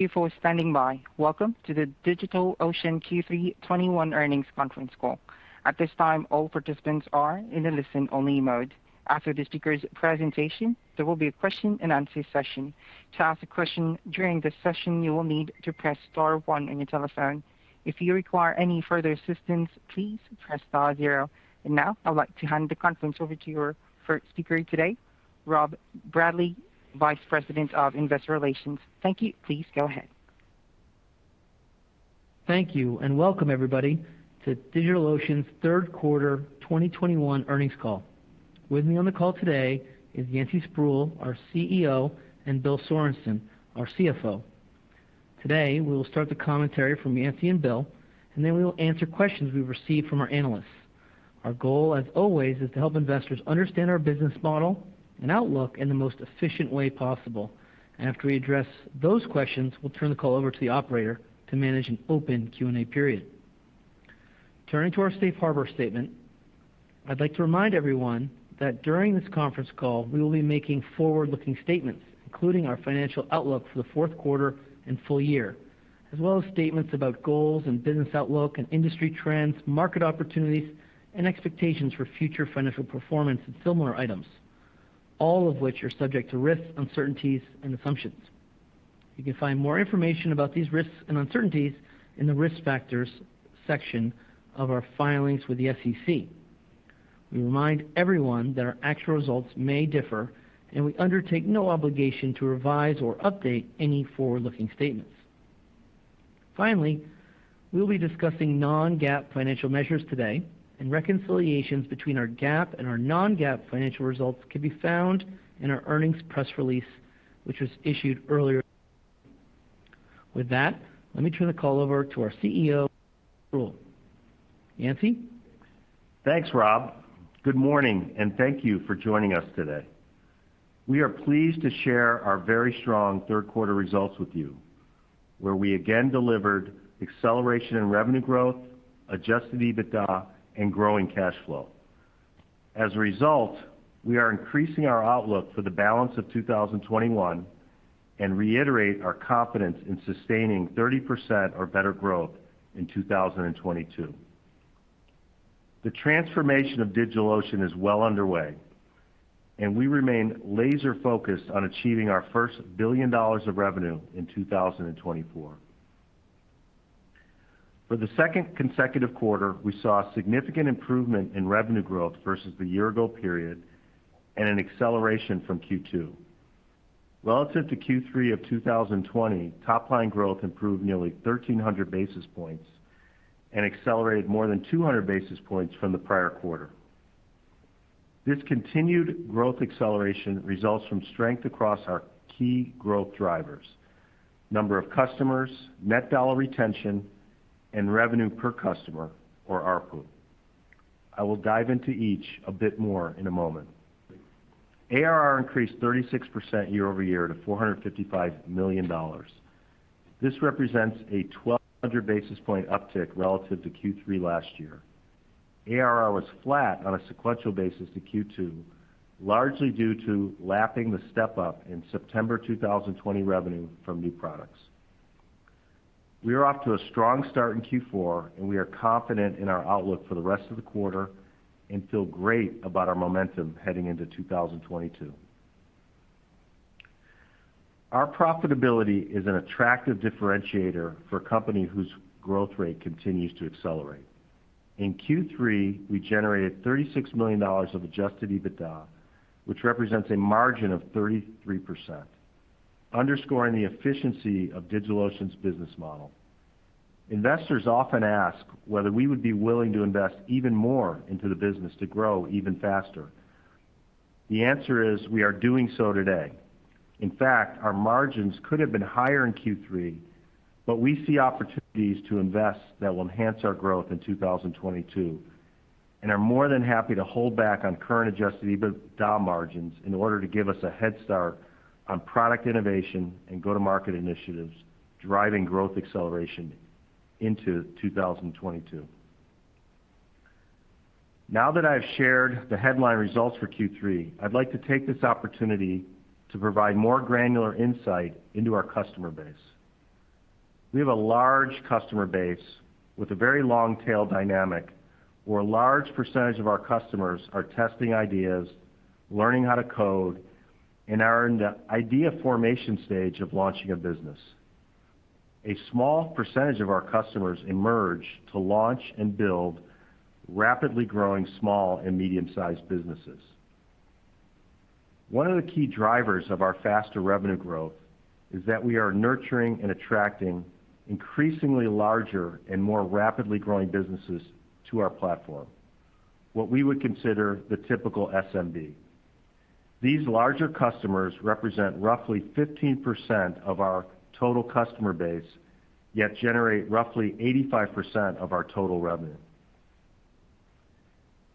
Thank you for standing by. Welcome to the DigitalOcean Q3 '21 earnings conference call. At this time, all participants are in a listen-only mode. After the speaker's presentation, there will be a question and answer session. To ask a question during this session, you will need to press star one on your telephone. If you require any further assistance, please press star zero. Now I'd like to hand the conference over to your first speaker today, Rob Bradley, Vice President of Investor Relations. Thank you. Please go ahead Thank you, and welcome everybody to DigitalOcean's third quarter 2021 earnings call. With me on the call today is Yancey Spruill, our CEO, and Bill Sorenson, our CFO. Today, we will start the commentary from Yancey and Bill, and then we will answered questions we've received from our analysts. Our goal, as always, is to help investors understand our business model and outlook in the most efficient way possible. After we address those questions, we'll turn the call over to the operator to manage an open Q&A period. Turning to our safe harbor statement, I'd like to remind everyone that during this conference call, we will be making forward-looking statements, including our financial outlook for the fourth quarter and full year, as well as statements about goals and business outlook and industry trends, market opportunities and expectations for future financial performance and similar items, all of whihever are subject to risks, uncertainties and assumptions. You can find more information about these risks and uncertainties in the Risk Factors section of our filings with the SEC. We remind everyone that our actual results may differ, and we undertake no obligation to revise or update any forward-looking statements. Finally, we'll be discussing non-GAAP financial measures today, and reconciliations between our GAAP and our non-GAAP financial results can be found in our earnings press release, which was issued earlier. With that, let me turn the call over to our CEO, Yancey Spruill. Yancey? Thanks, Rob. Good morning, and thank you for joining us today. We are pleased to share our very strong third quarter results with you, where we again delivered acceleration in revenue growth, adjusted EBITDA, and growing cash flow. As a result, we are increasing our outlook for the balance of 2021 and reiterate our confidence in sustaining 30% or better growth in 2022. The transformation of DigitalOcean is well underway, and we remain laser-focused on achieving our first $1 billion of revenue in 2024. For the second consecutive quarter, we saw a significant improvement in revenue growth versus the year ago period and an acceleration from Q2. Relative to Q3 of 2020, top line growth improved nearly 1,300 basis points and accelerated more than 200 basis points from the prior quarter. This continued growth acceleration results from strength across our key growth drivers, number of customers, net dollar retention, and revenue per customer or ARPU. I will dive into each a bit more in a moment. ARR increased 36% year-over-year to $455 million. This represents a 1,200 basis points uptick relative to Q3 last year. ARR was flat on a sequential basis to Q2, largely due to lapping the step-up in September 2020 revenue from new products. We are off to a strong start in Q4, and we are confident in our outlook for the rest of the quarter and feel great about our momentum heading into 2022. Our profitability is an attractive differentiator for a company whose growth rate continues to accelerate. In Q3, we generated $36 million of adjusted EBITDA, which represents a margin of 33%, underscoring the efficiency of DigitalOcean's business model. Investors often ask whether we would be willing to invest even more into the business to grow even faster. The answer is we are doing so today. In fact, our margins could have been higher in Q3, but we see opportunities to invest that will enhance our growth in 2022, and are more than happy to hold back on current adjusted EBITDA margins in order to give us a head start on product innovation and go-to-market initiatives, driving growth acceleration into 2022. Now that I've shared the headline results for Q3, I'd like to take this opportunity to provide more granular insight into our customer base. We have a large customer base with a very long tail dynamic, where a large percentage of our customers are testing ideas, learning how to code, and are in the idea formation stage of launching a business. A small percentage of our customers emerge to launch and build rapidly growing small and medium-sized businesses. One of the key drivers of our faster revenue growth is that we are nurturing and attracting increasingly larger and more rapidly growing businesses to our platform, what we would consider the typical SMB. These larger customers represent roughly 15% of our total customer base, yet generate roughly 85% of our total revenue.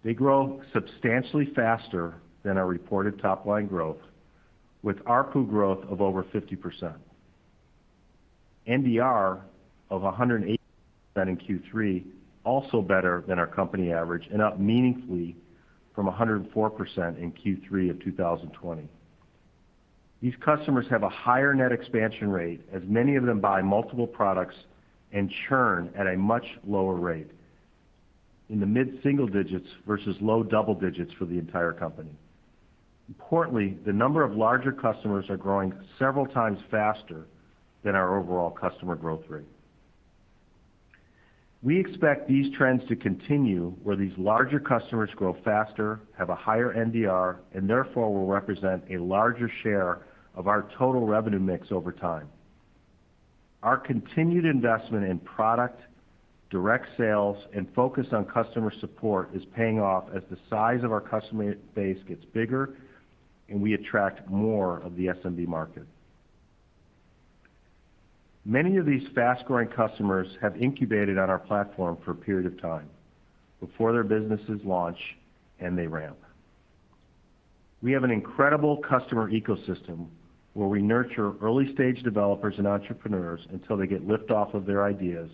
They grow substantially faster than our reported top line growth with ARPU growth of over 50%. NDR of 180% in Q3, also better than our company average and up meaningfully from 104% in Q3 of 2020. These customers have a higher net expansion rate as many of them buy multiple products and churn at a much lower rate in the mid-single digits versus low double digits for the entire company. Importantly, the number of larger customers are growing several times faster than our overall customer growth rate. We expect these trends to continue where these larger customers grow faster, have a higher NDR, and therefore will represent a larger share of our total revenue mix over time. Our continued investment in product, direct sales, and focus on customer support is paying off as the size of our customer base gets bigger, and we attract more of the SMB market. Many of these fast-growing customers have incubated on our platform for a period of time before their businesses launch and they ramp. We have an incredible customer ecosystem where we nurture early-stage developers and entrepreneurs until they get lift off of their ideas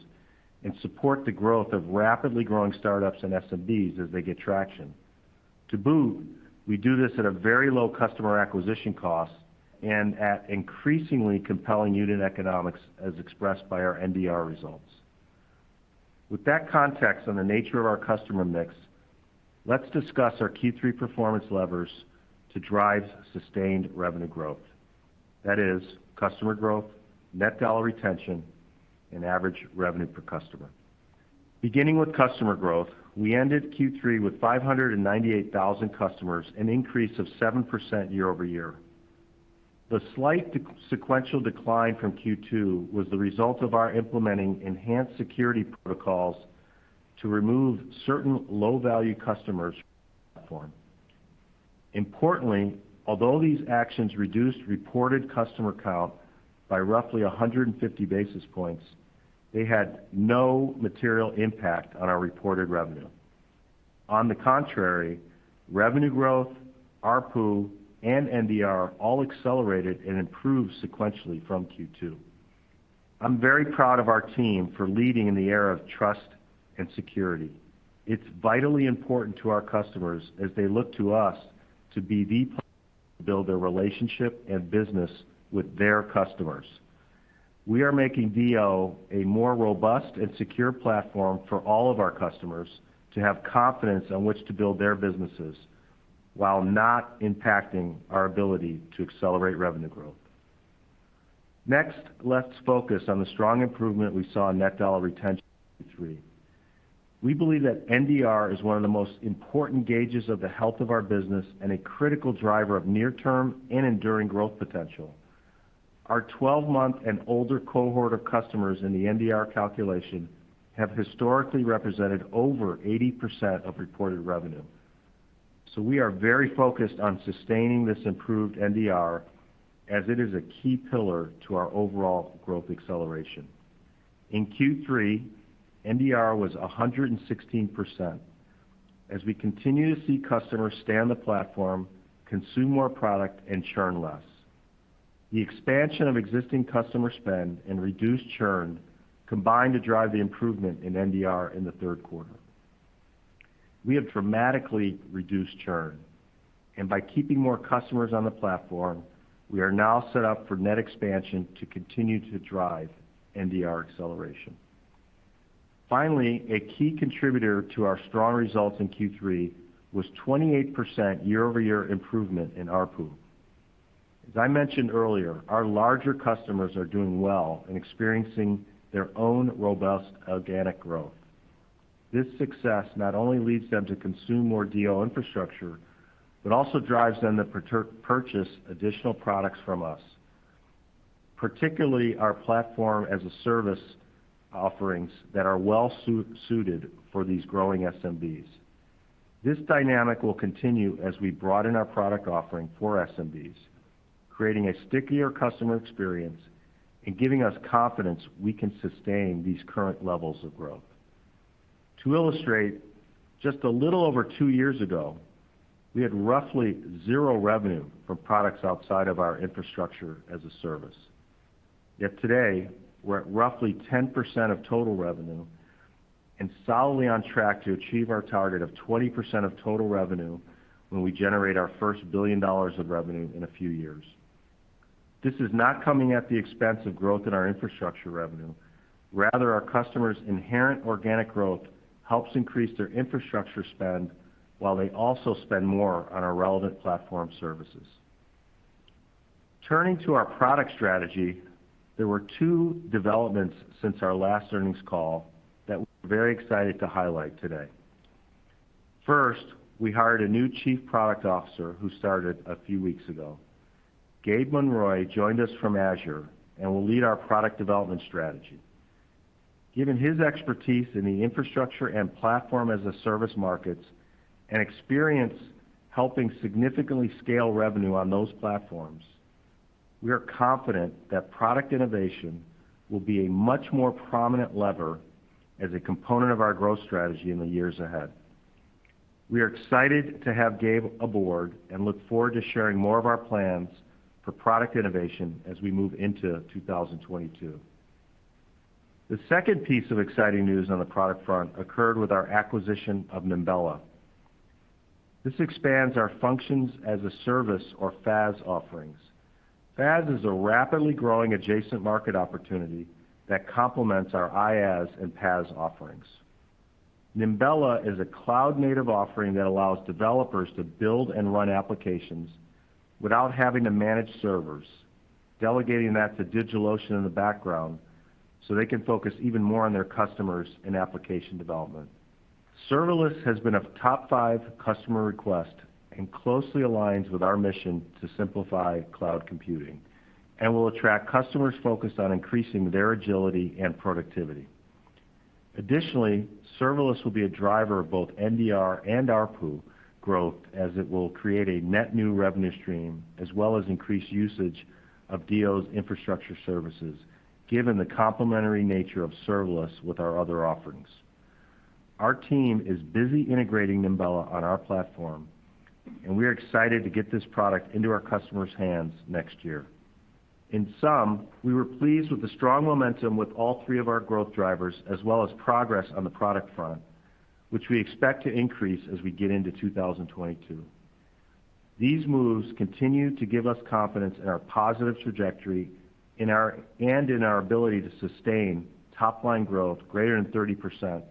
and support the growth of rapidly growing startups and SMBs as they get traction. To boot, we do this at a very low customer acquisition cost and at increasingly compelling unit economics as expressed by our NDR results. With that context on the nature of our customer mix, let's discuss our Q3 performance levers to drive sustained revenue growth. That is customer growth, net dollar retention, and average revenue per customer. Beginning with customer growth, we ended Q3 with 598,000 customers, an increase of 7% year-over-year. The slight sequential decline from Q2 was the result of our implementing enhanced security protocols to remove certain low-value customers from the platform. Importantly, although these actions reduced reported customer count by roughly 150 basis points, they had no material impact on our reported revenue. On the contrary, revenue growth, ARPU, and NDR all accelerated and improved sequentially from Q2. I'm very proud of our team for leading in the era of trust and security. It's vitally important to our customers as they look to us to be the partner to build their relationship and business with their customers. We are making DO a more robust and secure platform for all of our customers to have confidence on which to build their businesses while not impacting our ability to accelerate revenue growth. Next, let's focus on the strong improvement we saw in net dollar retention in Q3. We believe that NDR is one of the most important gauges of the health of our business and a critical driver of near-term and enduring growth potential. Our 12-month and older cohort of customers in the NDR calculation have historically represented over 80% of reported revenue. We are very focused on sustaining this improved NDR as it is a key pillar to our overall growth acceleration. In Q3, NDR was 116% as we continue to see customers stay on the platform, consume more product, and churn less. The expansion of existing customer spend and reduced churn combined to drive the improvement in NDR in the third quarter. We have dramatically reduced churn, and by keeping more customers on the platform, we are now set up for net expansion to continue to drive NDR acceleration. Finally, a key contributor to our strong results in Q3 was 28% year-over-year improvement in ARPU. As I mentioned earlier, our larger customers are doing well and experiencing their own robust organic growth. This success not only leads them to consume more DO infrastructure, but also drives them to purchase additional products from us, particularly our platform-as-a-service offerings that are well suited for these growing SMBs. This dynamic will continue as we broaden our product offering for SMBs, creating a stickier customer experience and giving us confidence we can sustain these current levels of growth. To illustrate, just a little over 2 years ago, we had roughly 0 revenue from products outside of our infrastructure-as-a-service. Yet today, we're at roughly 10% of total revenue and solidly on track to achieve our target of 20% of total revenue when we generate our first $1 billion of revenue in a few years. This is not coming at the expense of growth in our infrastructure revenue. Rather, our customers' inherent organic growth helps increase their infrastructure spend while they also spend more on our relevant platform services. Turning to our product strategy, there were two developments since our last earnings call that we're very excited to highlight today. First, we hired a new chief product officer who started a few weeks ago. Gabe Mon pm to me my contract in Monroy joined us from Azure and will lead our product development strategy. Given his expertise in the infrastructure and platform-as-a-service markets and experience helping significantly scale revenue on those platforms, we are confident that product innovation will be a much more prominent lever as a component of our growth strategy in the years ahead. We are excited to have Gabe aboard and look forward to sharing more of our plans for product innovation as we move into 2022. The second piece of exciting news on the product front occurred with our acquisition of Nimbella. This expands our functions as a service or FaaS offerings. FaaS is a rapidly growing adjacent market opportunity that complements our IaaS and PaaS offerings. Nimbella is a cloud-native offering that allows developers to build and run applications without having to manage servers, delegating that to DigitalOcean in the background so they can focus even more on their customers in application development. Serverless has been a top five customer request and closely aligns with our mission to simplify cloud computing, and will attract customers focused on increasing their agility and productivity. Additionally, serverless will be a driver of both NDR and ARPU growth as it will create a net new revenue stream as well as increased usage of DO's infrastructure services, given the complementary nature of serverless with our other offerings. Our team is busy integrating Nimbella on our platform, and we are excited to get this product into our customers' hands next year. In sum, we were pleased with the strong momentum with all three of our growth drivers, as well as progress on the product front, which we expect to increase as we get into 2022. These moves continue to give us confidence in our positive trajectory and in our ability to sustain top-line growth greater than 30%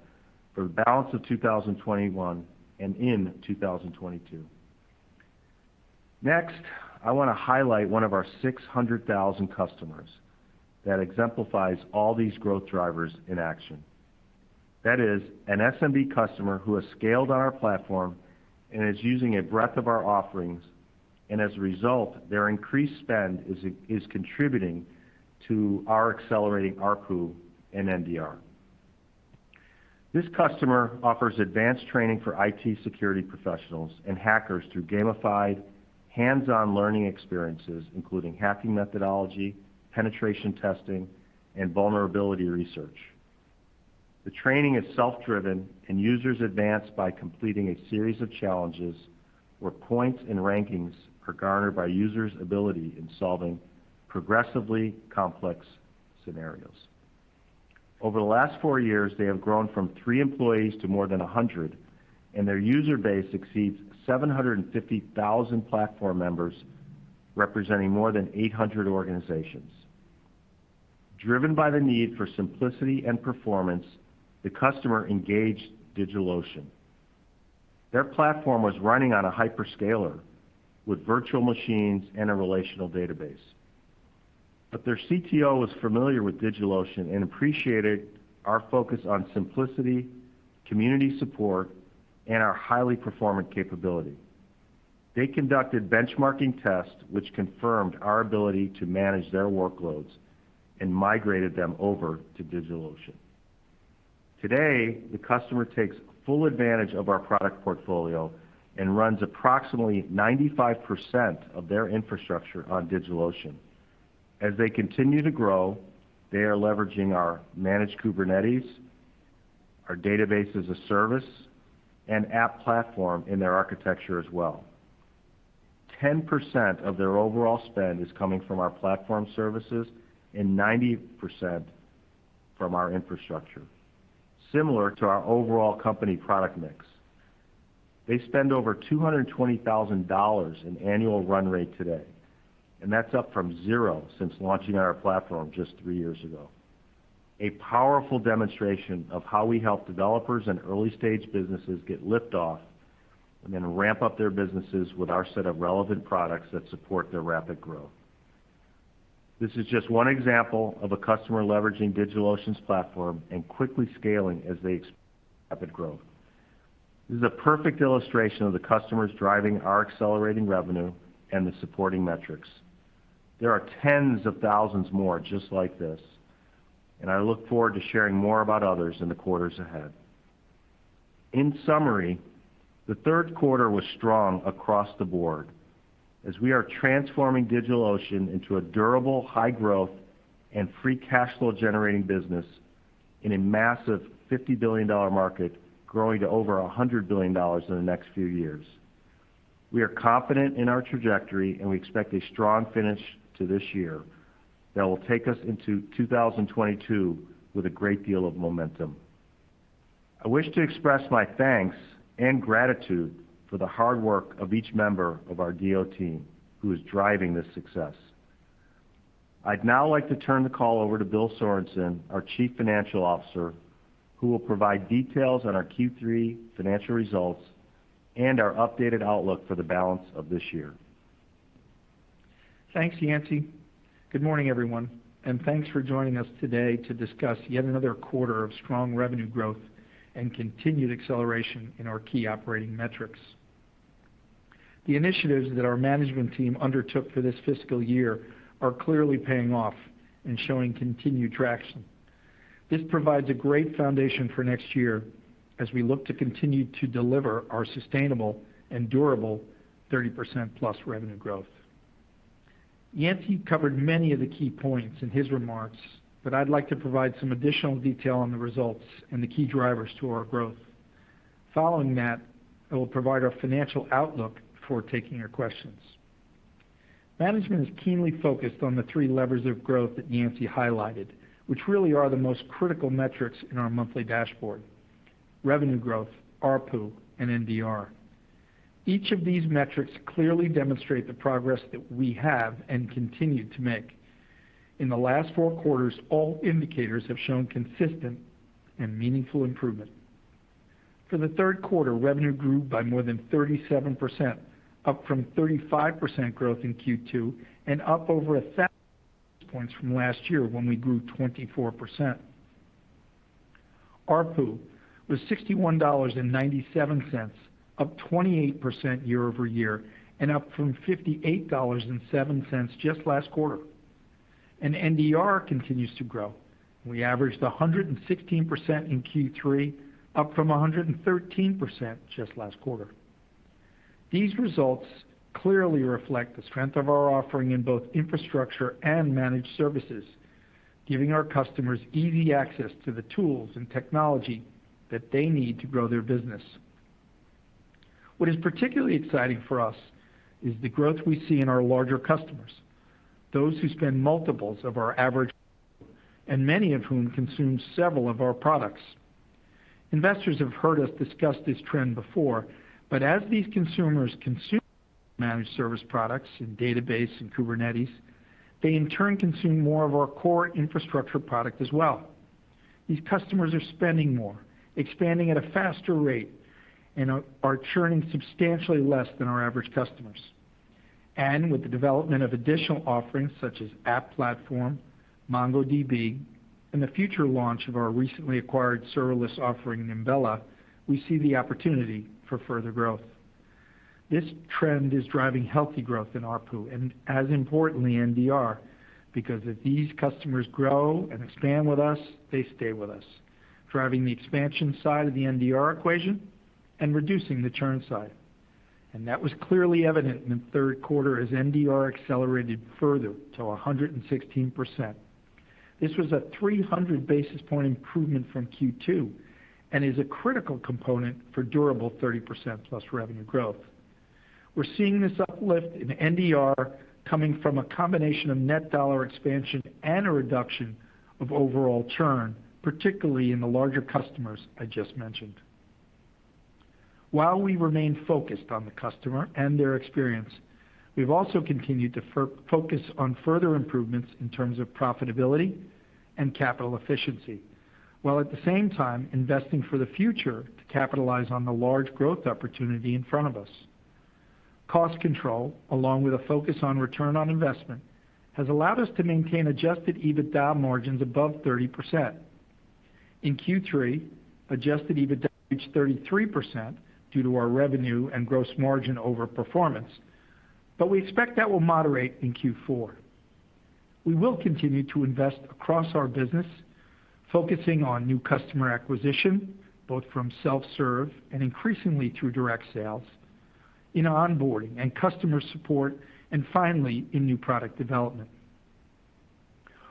for the balance of 2021 and in 2022. Next, I want to highlight one of our 600,000 customers that exemplifies all these growth drivers in action. That is an SMB customer who has scaled on our platform and is using a breadth of our offerings, and as a result, their increased spend is contributing to our accelerating ARPU and NDR. This customer offers advanced training for IT security professionals and hackers through gamified hands-on learning experiences, including hacking methodology, penetration testing, and vulnerability research. The training is self-driven, and users advance by completing a series of challenges where points and rankings are garnered by users' ability in solving progressively complex scenarios. Over the last four years, they have grown from three employees to more than 100, and their user base exceeds 750,000 platform members, representing more than 800 organizations. Driven by the need for simplicity and performance, the customer engaged DigitalOcean. Their platform was running on a hyperscaler with virtual machines and a relational database. Their CTO was familiar with DigitalOcean and appreciated our focus on simplicity, community support, and our highly performant capability. They conducted benchmarking tests which confirmed our ability to manage their workloads and migrated them over to DigitalOcean. Today, the customer takes full advantage of our product portfolio and runs approximately 95% of their infrastructure on DigitalOcean. As they continue to grow, they are leveraging our managed Kubernetes, our Database as a Service, and App Platform in their architecture as well. 10% of their overall spend is coming from our platform services and 90% from our infrastructure, similar to our overall company product mix. They spend over $220,000 in annual run rate today, and that's up from zero since launching our platform just three years ago. A powerful demonstration of how we help developers and early-stage businesses get lift off and then ramp up their businesses with our set of relevant products that support their rapid growth. This is just one example of a customer leveraging DigitalOcean's platform and quickly scaling as they experience rapid growth. This is a perfect illustration of the customers driving our accelerating revenue and the supporting metrics. There are tens of thousands more just like this, and I look forward to sharing more about others in the quarters ahead. In summary, the third quarter was strong across the board as we are transforming DigitalOcean into a durable, high-growth, and free cash flow generating business in a massive $50 billion market growing to over $100 billion in the next few years. We are confident in our trajectory, and we expect a strong finish to this year that will take us into 2022 with a great deal of momentum. I wish to express my thanks and gratitude for the hard work of each member of our DO team who is driving this success. I'd now like to turn the call over to Bill Sorenson, our Chief Financial Officer, who will provide details on our Q3 financial results and our updated outlook for the balance of this year. Thanks, Yancey. Good morning, everyone, and thanks for joining us today to discuss yet another quarter of strong revenue growth and continued acceleration in our key operating metrics. The initiatives that our management team undertook for this fiscal year are clearly paying off and showing continued traction. This provides a great foundation for next year as we look to continue to deliver our sustainable and durable 30%+ revenue growth. Yancey covered many of the key points in his remarks, but I'd like to provide some additional detail on the results and the key drivers to our growth. Following that, I will provide our financial outlook before taking your questions. Management is keenly focused on the three levers of growth that Yancey highlighted, which really are the most critical metrics in our monthly dashboard, revenue growth, ARPU, and NDR. Each of these metrics clearly demonstrate the progress that we have and continue to make. In the last four quarters, all indicators have shown consistent and meaningful improvement. For the third quarter, revenue grew by more than 37%, up from 35% growth in Q2 and up over 1,000 points from last year when we grew 24%. ARPU was $61.97, up 28% year-over-year and up from $58.07 just last quarter. NDR continues to grow. We averaged 116% in Q3, up from 113% just last quarter. These results clearly reflect the strength of our offering in both infrastructure and managed services, giving our customers easy access to the tools and technology that they need to grow their business. What is particularly exciting for us is the growth we see in our larger customers, those who spend multiples of our average and many of whom consume several of our products. Investors have heard us discuss this trend before, but as these consumers consume managed service products in database and Kubernetes, they in turn consume more of our core infrastructure product as well. These customers are spending more, expanding at a faster rate, and are churning substantially less than our average customers. With the development of additional offerings such as App Platform, MongoDB, and the future launch of our recently acquired serverless offering, Nimbella, we see the opportunity for further growth. This trend is driving healthy growth in ARPU and as importantly, NDR, because if these customers grow and expand with us, they stay with us, driving the expansion side of the NDR equation and reducing the churn side. That was clearly evident in the third quarter as NDR accelerated further to 116%. This was a 300 basis point improvement from Q2 and is a critical component for durable 30%+ revenue growth. We're seeing this uplift in NDR coming from a combination of net dollar expansion and a reduction of overall churn, particularly in the larger customers I just mentioned. While we remain focused on the customer and their experience, we've also continued to focus on further improvements in terms of profitability and capital efficiency, while at the same time investing for the future to capitalize on the large growth opportunity in front of us. Cost control, along with a focus on return on investment, has allowed us to maintain adjusted EBITDA margins above 30%. In Q3, adjusted EBITDA reached 33% due to our revenue and gross margin overperformance, but we expect that will moderate in Q4. We will continue to invest across our business, focusing on new customer acquisition, both from self-serve and increasingly through direct sales, in onboarding and customer support, and finally, in new product development.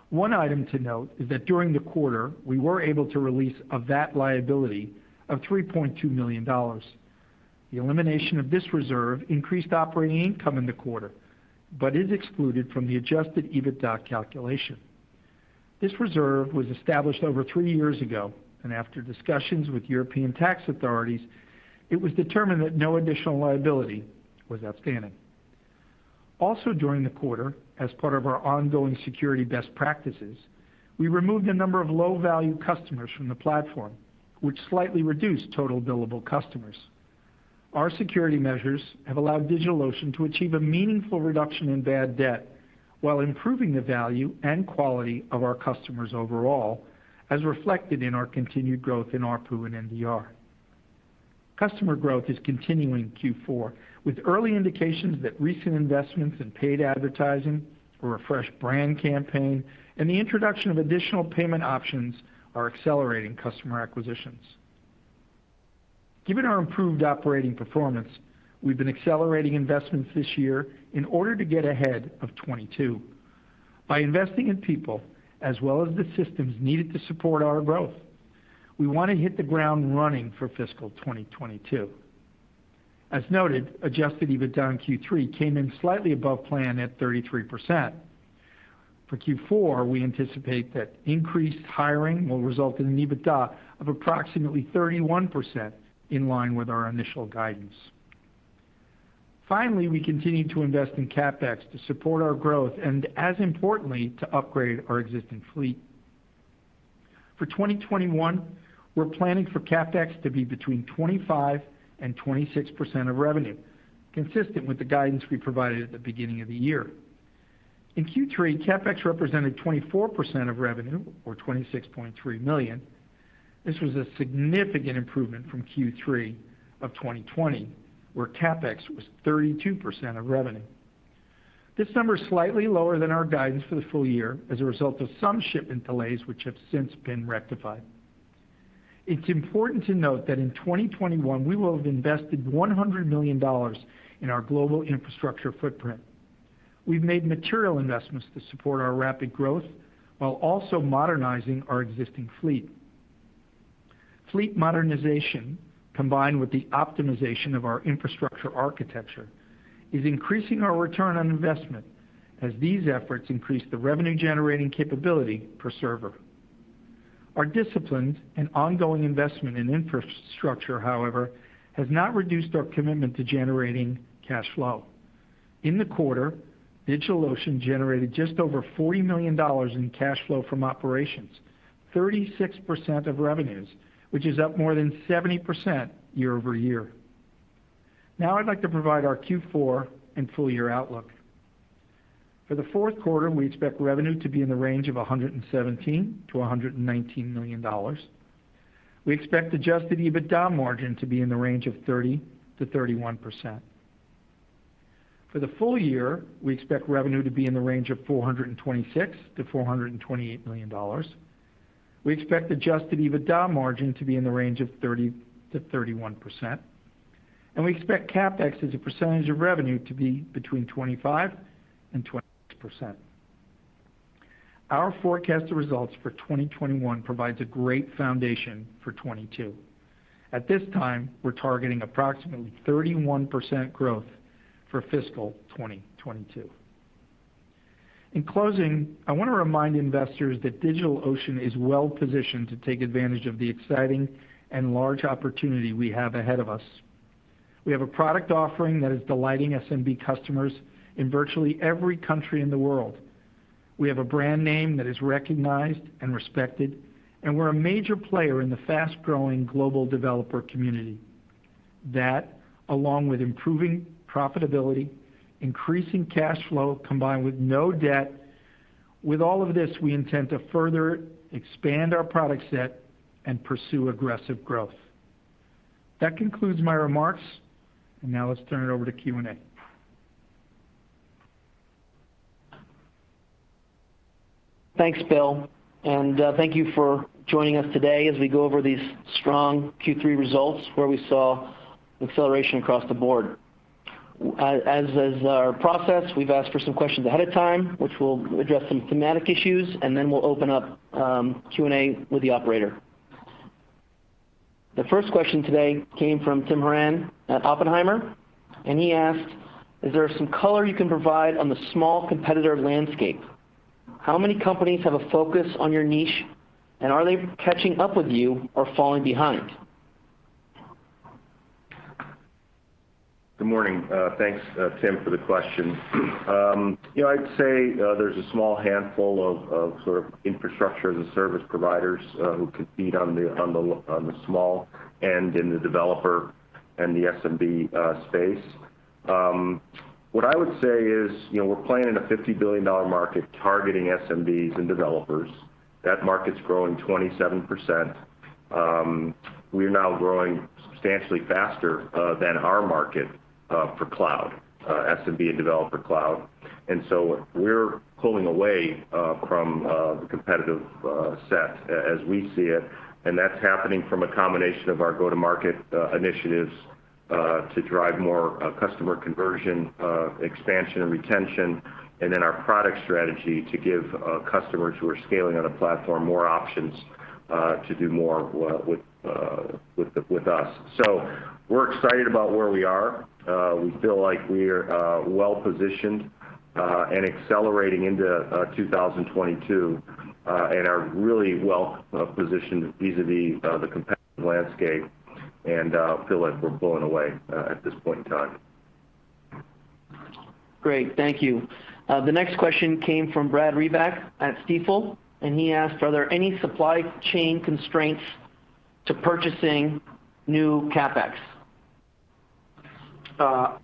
One item to note is that during the quarter, we were able to release a VAT liability of $3.2 million. The elimination of this reserve increased operating income in the quarter, but is excluded from the adjusted EBITDA calculation. This reserve was established over three years ago, and after discussions with European tax authorities, it was determined that no additional liability was outstanding. Also during the quarter, as part of our ongoing security best practices, we removed a number of low-value customers from the platform, which slightly reduced total billable customers. Our security measures have allowed DigitalOcean to achieve a meaningful reduction in bad debt while improving the value and quality of our customers overall, as reflected in our continued growth in ARPU and NDR. Customer growth is continuing in Q4, with early indications that recent investments in paid advertising, a refreshed brand campaign, and the introduction of additional payment options are accelerating customer acquisitions. Given our improved operating performance, we've been accelerating investments this year in order to get ahead of 2022. By investing in people, as well as the systems needed to support our growth, we want to hit the ground running for fiscal 2022. As noted, adjusted EBITDA in Q3 came in slightly above plan at 33%. For Q4, we anticipate that increased hiring will result in an EBITDA of approximately 31% in line with our initial guidance. Finally, we continue to invest in CapEx to support our growth and as importantly, to upgrade our existing fleet. For 2021, we're planning for CapEx to be between 25% and 26% of revenue, consistent with the guidance we provided at the beginning of the year. In Q3, CapEx represented 24% of revenue or $26.3 million. This was a significant improvement from Q3 of 2020, where CapEx was 32% of revenue. This number is slightly lower than our guidance for the full year as a result of some shipment delays which have since been rectified. It's important to note that in 2021, we will have invested $100 million in our global infrastructure footprint. We've made material investments to support our rapid growth while also modernizing our existing fleet. Fleet modernization, combined with the optimization of our infrastructure architecture, is increasing our return on investment as these efforts increase the revenue-generating capability per server. Our disciplined and ongoing investment in infrastructure, however, has not reduced our commitment to generating cash flow. In the quarter, DigitalOcean generated just over $40 million in cash flow from operations, 36% of revenues, which is up more than 70% year-over-year. Now I'd like to provide our Q4 and full year outlook. For the fourth quarter, we expect revenue to be in the range of $117 million-$119 million. We expect adjusted EBITDA margin to be in the range of 30%-31%. For the full year, we expect revenue to be in the range of $426 million-$428 million. We expect adjusted EBITDA margin to be in the range of 30%-31%, and we expect CapEx as a percentage of revenue to be between 25%-26%. Our forecasted results for 2021 provides a great foundation for 2022. At this time, we're targeting approximately 31% growth for fiscal 2022. In closing, I want to remind investors that DigitalOcean is well-positioned to take advantage of the exciting and large opportunity we have ahead of us. We have a product offering that is delighting SMB customers in virtually every country in the world. We have a brand name that is recognized and respected, and we're a major player in the fast-growing global developer community. That, along with improving profitability, increasing cash flow, combined with no debt, with all of this, we intend to further expand our product set and pursue aggressive growth. That concludes my remarks, and now let's turn it over to Q&A. Thanks, Bill, and thank you for joining us today as we go over these strong Q3 results where we saw acceleration across the board. As is our process, we've asked for some questions ahead of time, which we'll address some thematic issues, and then we'll open up Q&A with the operator. The first question today came from Tim Horan at Oppenheimer, and he asked, "Is there some color you can provide on the small competitor landscape? How many companies have a focus on your niche, and are they catching up with you or falling behind? Good morning. Thanks, Tim, for the question. You know, I'd say, there's a small handful of sort of Infrastructure as a Service providers who compete on the small end in the developer and the SMB space. What I would say is, you know, we're playing in a $50 billion market targeting SMBs and developers. That market's growing 27%. We're now growing substantially faster than our market for cloud SMB and developer cloud. We're pulling away from the competitive set as we see it, and that's happening from a combination of our go-to-market initiatives to drive more customer conversion, expansion and retention, and then our product strategy to give customers who are scaling on a platform more options to do more with us. We're excited about where we are. We feel like we're well-positioned and accelerating into 2022 and are really well positioned vis-a-vis the competitive landscape and feel like we're blowing away at this point in time. Great. Thank you. The next question came from Brad Reback at Stifel, and he asked, "Are there any supply chain constraints to purchasing new CapEx?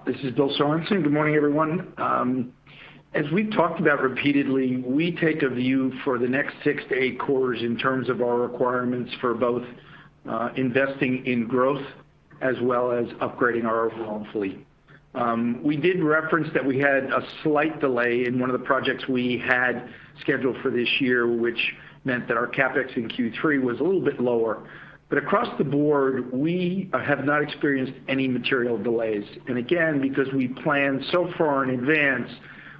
This is Bill Sorenson. Good morning, everyone. As we've talked about repeatedly, we take a view for the next 6-8 quarters in terms of our requirements for both investing in growth as well as upgrading our overall fleet. We did reference that we had a slight delay in one of the projects we had scheduled for this year, which meant that our CapEx in Q3 was a little bit lower. Across the board, we have not experienced any material delays. Again, because we plan so far in advance,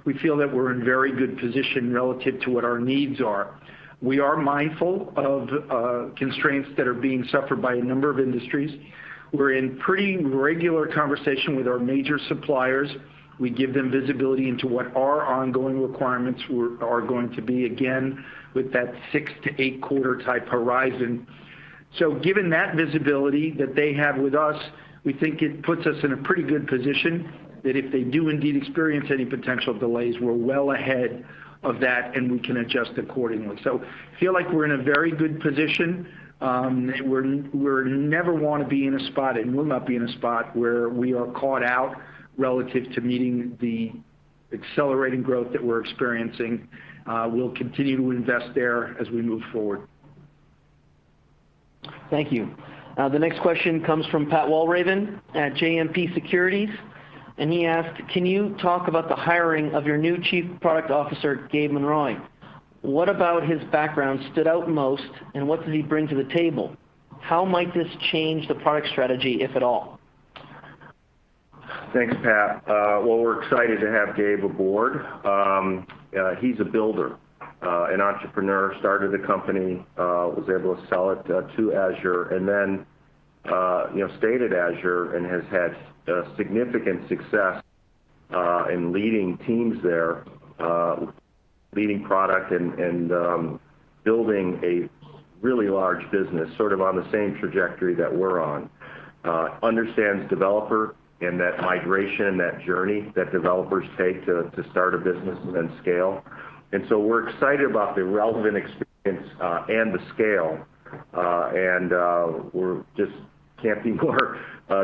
we feel that we're in very good position relative to what our needs are. We are mindful of constraints that are being suffered by a number of industries. We're in pretty regular conversation with our major suppliers. We give them visibility into what our ongoing requirements are going to be, again, with that 6- to 8-quarter type horizon. Given that visibility that they have with us, we think it puts us in a pretty good position that if they do indeed experience any potential delays, we're well ahead of that, and we can adjust accordingly. Feel like we're in a very good position. We're never wanna be in a spot, and we'll not be in a spot where we are caught out relative to meeting the accelerating growth that we're experiencing. We'll continue to invest there as we move forward. Thank you. The next question comes from Pat Walravens at JMP Securities, and he asked, "Can you talk about the hiring of your new Chief Product Officer, Gabe Monroy? What about his background stood out most, and what does he bring to the table? How might this change the product strategy, if at all? Thanks, Pat. Well, we're excited to have Gabe aboard. He's a builder, an entrepreneur, started a company, was able to sell it to Azure, and then, you know, stayed at Azure and has had significant success in leading teams there, leading product and building a really large business, sort of on the same trajectory that we're on. Understands developer and that migration and that journey that developers take to start a business and then scale. We're excited about the relevant experience, and the scale, and we're just can't be more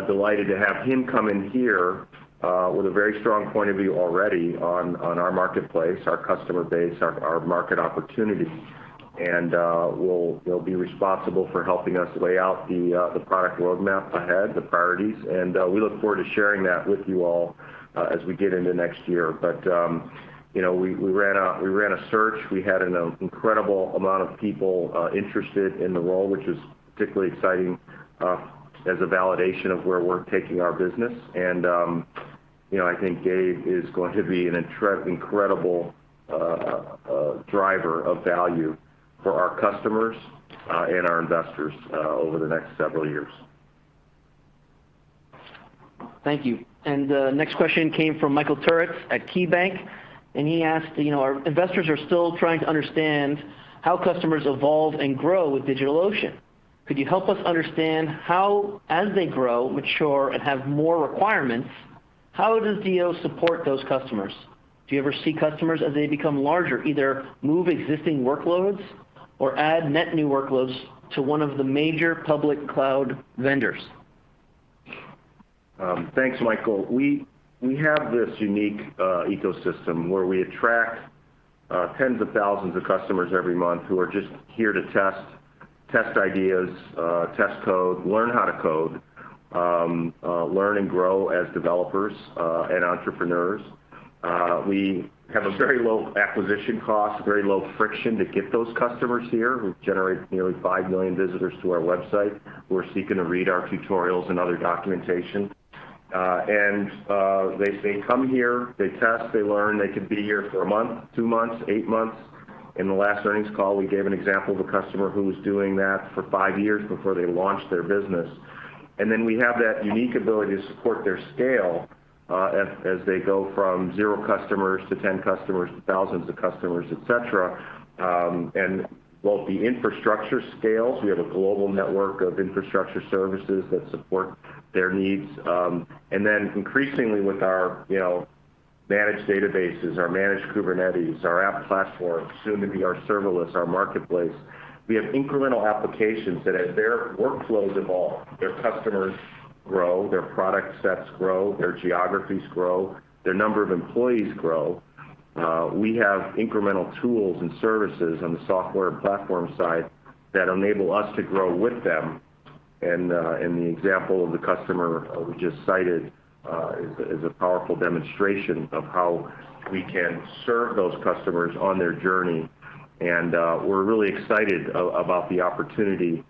delighted to have him come in here with a very strong point of view already on our marketplace, our customer base, our market opportunity. He'll be responsible for helping us lay out the product roadmap ahead, the priorities, and we look forward to sharing that with you all as we get into next year. You know, we ran a search. We had an incredible amount of people interested in the role, which is particularly exciting as a validation of where we're taking our business. You know, I think Gabe is going to be an incredible driver of value for our customers and our investors over the next several years. Thank you. The next question came from Michael Turits at KeyBanc, and he asked, "You know, our investors are still trying to understand how customers evolve and grow with DigitalOcean. Could you help us understand how as they grow, mature, and have more requirements, how does DO support those customers? Do you ever see customers, as they become larger, either move existing workloads or add net new workloads to one of the major public cloud vendors? Thanks, Michael. We have this unique ecosystem where we attract tens of thousands of customers every month who are just here to test ideas, test code, learn how to code, learn and grow as developers and entrepreneurs. We have a very low acquisition cost, very low friction to get those customers here. We generate nearly 5 million visitors to our website who are seeking to read our tutorials and other documentation. They come here, they test, they learn. They could be here for a month, two months, eight months. In the last earnings call, we gave an example of a customer who was doing that for 5 years before they launched their business. We have that unique ability to support their scale, as they go from 0 customers to 10 customers to thousands of customers, et cetera. Both the infrastructure scales, we have a global network of infrastructure services that support their needs. Increasingly with our, you know, managed databases, our managed Kubernetes, our App Platform, soon to be our serverless, our marketplace, we have incremental applications that as their workflows evolve, their customers grow, their product sets grow, their geographies grow, their number of employees grow, we have incremental tools and services on the software platform side that enable us to grow with them. The example of the customer we just cited is a powerful demonstration of how we can serve those customers on their journey. We're really excited about the opportunity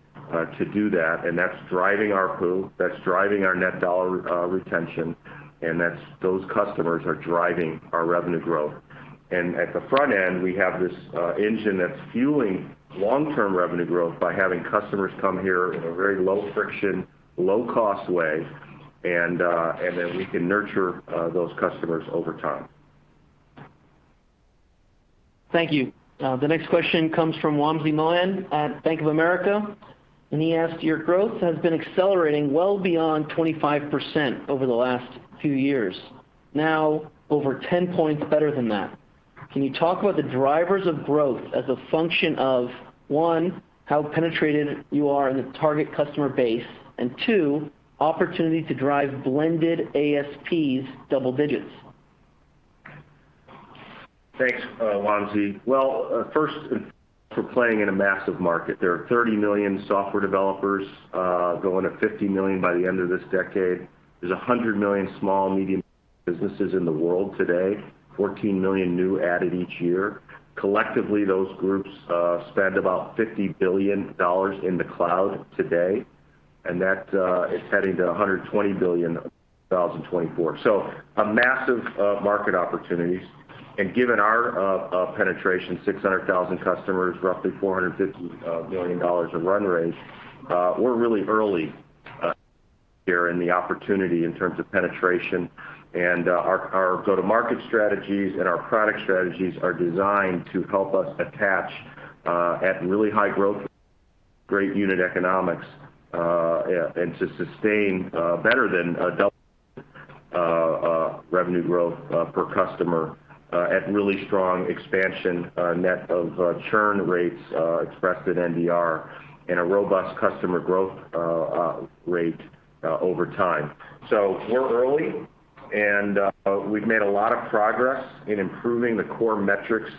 to do that, and that's driving our ARPU, that's driving our net dollar retention, and that's those customers are driving our revenue growth. At the front end, we have this engine that's fueling long-term revenue growth by having customers come here in a very low-friction, low-cost way, and then we can nurture those customers over time. Thank you. The next question comes from Wamsi Mohan at Bank of America, and he asked, "Your growth has been accelerating well beyond 25% over the last few years, now over 10 points better than that. Can you talk about the drivers of growth as a function of, one, how penetrated you are in the target customer base and, two, opportunity to drive blended ASPs double digits? Thanks, Wamsi. Well, first, we're playing in a massive market. There are 30 million software developers going to 50 million by the end of this decade. There's 100 million small and medium businesses in the world today, 14 million new added each year. Collectively, those groups spend about $50 billion in the cloud today, and that is heading to $120 billion in 2024. A massive market opportunities. Given our our penetration, 600,000 customers, roughly $450 million of run rate, we're really early here in the opportunity in terms of penetration. Our go-to-market strategies and our product strategies are designed to help us attach at really high growth, great unit economics, and to sustain better than double revenue growth per customer at really strong expansion net of churn rates expressed at NDR and a robust customer growth rate over time. We're early, and we've made a lot of progress in improving the core metrics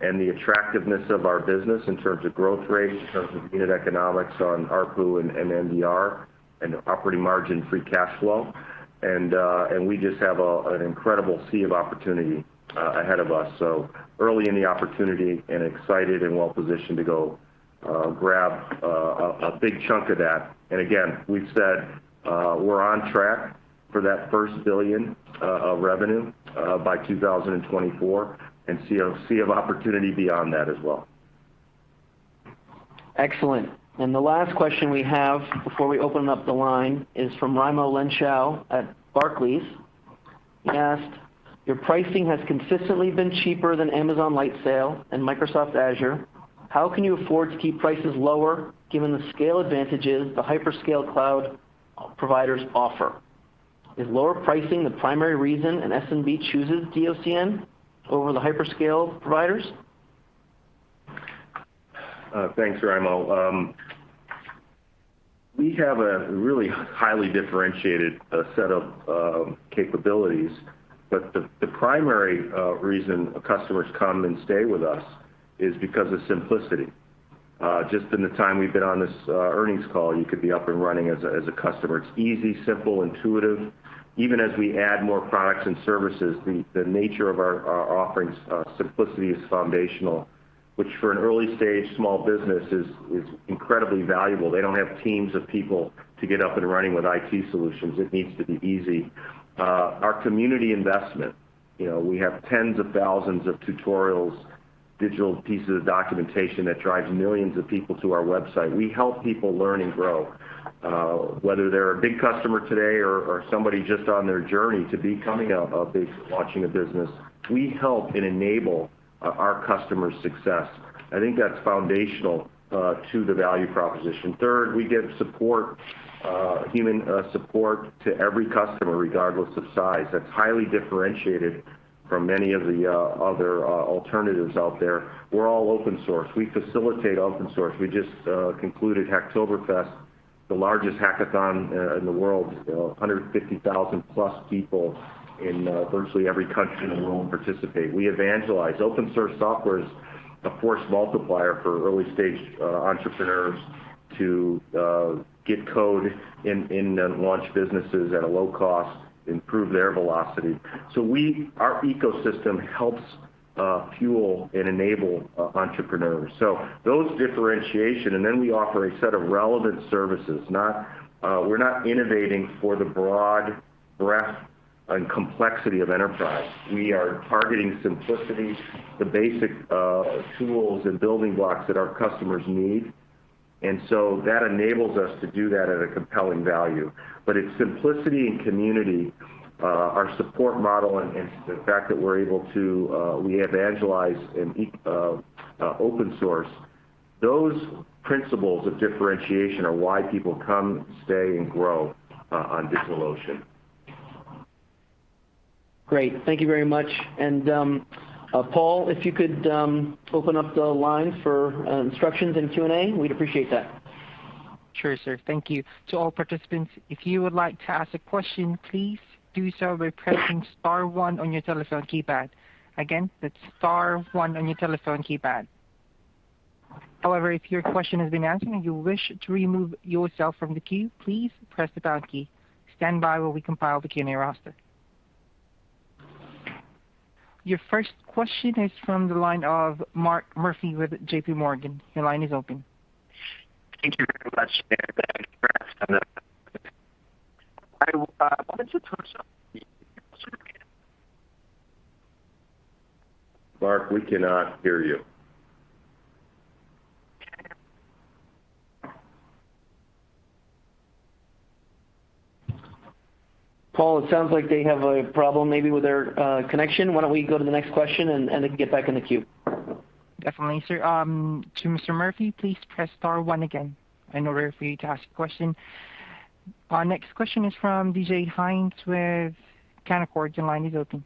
and the attractiveness of our business in terms of growth rate, in terms of unit economics on ARPU and NDR and operating margin free cash flow. We just have an incredible sea of opportunity ahead of us. Early in the opportunity and excited and well-positioned to go grab a big chunk of that. Again, we've said we're on track for that first $1 billion of revenue by 2024, and see a sea of opportunity beyond that as well. Excellent. The last question we have before we open up the line is from Raimo Lenschow at Barclays. He asked, "Your pricing has consistently been cheaper than Amazon Lightsail and Microsoft Azure. How can you afford to keep prices lower given the scale advantages the hyperscale cloud providers offer? Is lower pricing the primary reason an SMB chooses DOCN over the hyperscale providers? Thanks, Raimo. We have a really highly differentiated set of capabilities, but the primary reason customers come and stay with us is because of simplicity. Just in the time we've been on this earnings call, you could be up and running as a customer. It's easy, simple, intuitive. Even as we add more products and services, the nature of our offerings, simplicity is foundational, which for an early-stage small business is incredibly valuable. They don't have teams of people to get up and running with IT solutions. It needs to be easy. Our community investment. You know, we have tens of thousands of tutorials, digital pieces of documentation that drives millions of people to our website. We help people learn and grow. Whether they're a big customer today or somebody just on their journey to becoming a big launching a business. We help and enable our customers' success. I think that's foundational to the value proposition. Third, we give support, human support to every customer regardless of size. That's highly differentiated from many of the other alternatives out there. We're all open source. We facilitate open source. We just concluded Hacktoberfest, the largest hackathon in the world. You know, 150,000-plus people in virtually every country in the world participate. We evangelize. Open source software is a force multiplier for early-stage entrepreneurs to get code and launch businesses at a low cost, improve their velocity. Our ecosystem helps fuel and enable entrepreneurs. Those differentiation, and then we offer a set of relevant services, not. We're not innovating for the broad breadth and complexity of enterprise. We are targeting simplicity, the basic tools and building blocks that our customers need. That enables us to do that at a compelling value. It's simplicity and community, our support model and the fact that we're able to evangelize in open source. Those principles of differentiation are why people come, stay, and grow on DigitalOcean. Great. Thank you very much. Paul, if you could open up the line for instructions and Q&A, we'd appreciate that. Sure, sir. Thank you. To all participants, if you would like to ask a question, please do so by pressing star one on your telephone keypad. Again, that's star one on your telephone keypad. However, if your question has been answered and you wish to remove yourself from the queue, please press the pound key. Stand by while we compile the Q&A roster. Your first question is from the line of Mark Murphy with JPMorgan. Your line is open. Thank you very much. Mark, we cannot hear you. Paul, it sounds like they have a problem maybe with their connection. Why don't we go to the next question and they can get back in the queue. Definitely, sir. To Mark Murphy, please press star one again in order for you to ask a question. Our next question is from DJ Hynes with Canaccord. Your line is open.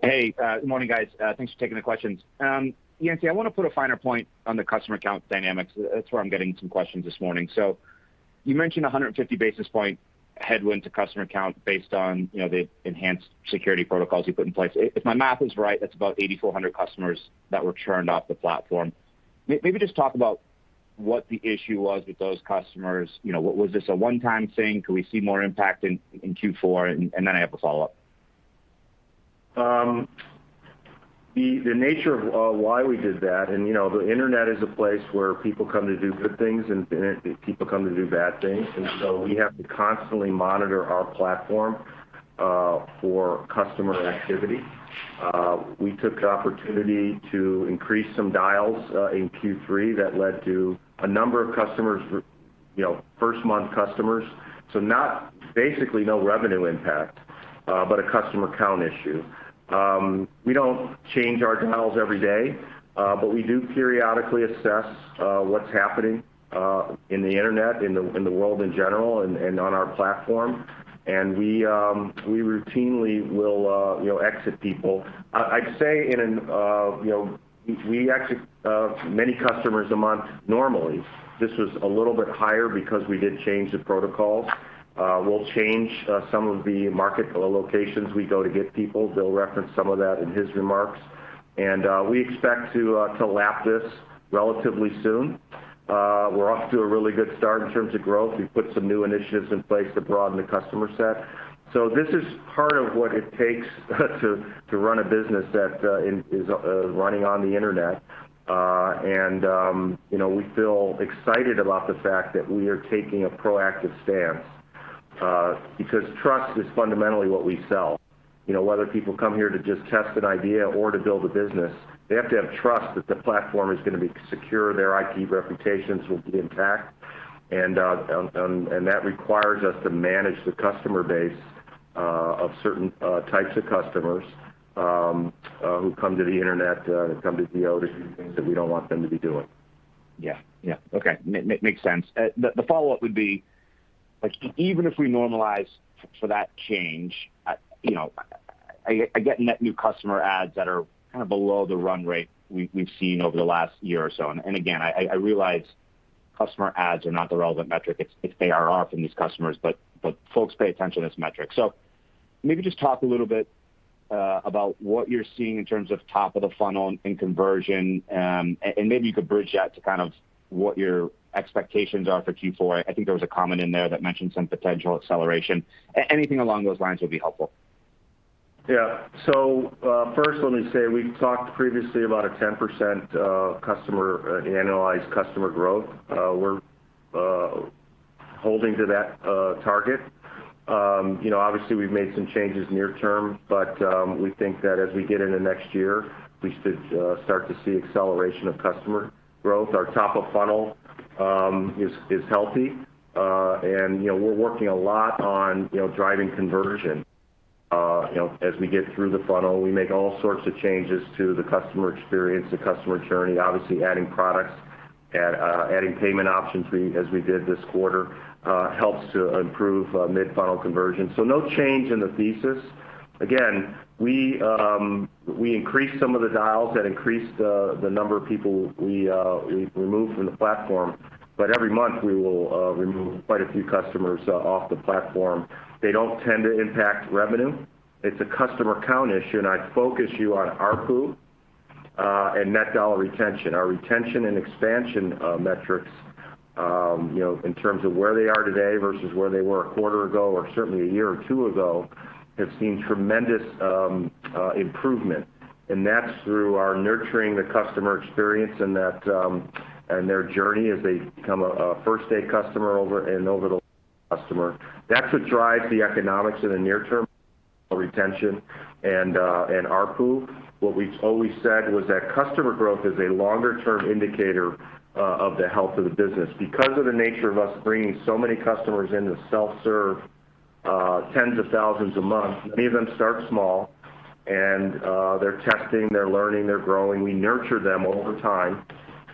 Hey, good morning, guys. Thanks for taking the questions. Yancey, I wanna put a finer point on the customer account dynamics. That's where I'm getting some questions this morning. You mentioned a 150 basis point headwind to customer count based on, you know, the enhanced security protocols you put in place. If my math is right, that's about 8,400 customers that were churned off the platform. Maybe just talk about what the issue was with those customers. You know, was this a one-time thing? Could we see more impact in Q4? I have a follow-up. The nature of why we did that, and you know, the internet is a place where people come to do good things, and then people come to do bad things. We have to constantly monitor our platform for customer activity. We took the opportunity to increase some dials in Q3 that led to a number of customers, you know, first-month customers. Basically no revenue impact, but a customer count issue. We don't change our dials every day, but we do periodically assess what's happening in the internet, in the world in general, and on our platform. We routinely will, you know, exit people. I'd say in an, you know, we exit many customers a month normally. This was a little bit higher because we did change the protocols. We'll change some of the marketing locations we go to get people. Bill referenced some of that in his remarks. We expect to lap this relatively soon. We're off to a really good start in terms of growth. We've put some new initiatives in place to broaden the customer set. This is part of what it takes to run a business that is running on the internet. You know, we feel excited about the fact that we are taking a proactive stance because trust is fundamentally what we sell. You know, whether people come here to just test an idea or to build a business, they have to have trust that the platform is gonna be secure, their IP reputations will be intact. that requires us to manage the customer base of certain types of customers who come to the Internet and come to DO to do things that we don't want them to be doing. Yeah. Yeah. Okay. Makes sense. The follow-up would be, like, even if we normalize for that change, you know, I get net new customer adds that are kind of below the run rate we've seen over the last year or so. And again, I realize customer adds are not the relevant metric. It's ARR from these customers, but folks pay attention to this metric. Maybe just talk a little bit about what you're seeing in terms of top of the funnel and conversion, and maybe you could bridge that to kind of what your expectations are for Q4. I think there was a comment in there that mentioned some potential acceleration. Anything along those lines would be helpful. Yeah. First let me say, we talked previously about a 10% annualized customer growth. We're holding to that target. You know, obviously, we've made some changes near term, but we think that as we get into next year, we should start to see acceleration of customer growth. Our top of funnel is healthy. You know, we're working a lot on you know, driving conversion you know, as we get through the funnel. We make all sorts of changes to the customer experience, the customer journey, obviously adding products, adding payment options as we did this quarter helps to improve mid-funnel conversion. No change in the thesis. We increased some of the dials that increased the number of people we removed from the platform. Every month, we will remove quite a few customers off the platform. They don't tend to impact revenue. It's a customer count issue, and I'd focus you on ARPU and net dollar retention. Our retention and expansion metrics, you know, in terms of where they are today versus where they were a quarter ago or certainly a year or two ago, have seen tremendous improvement. That's through our nurturing the customer experience and that and their journey as they become a first-day customer over and over the customer. That's what drives the economics in the near term, retention and ARPU. What we've always said was that customer growth is a longer-term indicator of the health of the business. Because of the nature of us bringing so many customers into self-serve, tens of thousands a month, many of them start small and they're testing, they're learning, they're growing. We nurture them over time.